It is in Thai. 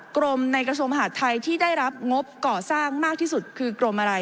กรมในกระทรวงมหาดไทยที่ได้รับงบก่อสร้างมากที่สุดคือกรมอะไร